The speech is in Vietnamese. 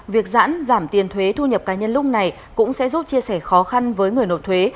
việc giãn giảm tiền thuế thu nhập cá nhân lúc này cũng sẽ giúp chia sẻ khó khăn với người nộp thuế